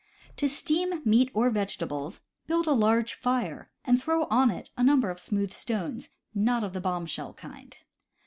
— To steam meat or vegetables: build a large fire and throw on it a number of smooth CAMP COOKERY 141 stones, not of the bomb shell kind.